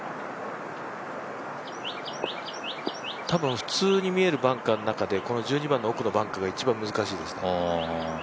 たぶん普通に見えるバンカーの中で、１２番の奥のバンカーが一番難しいですね。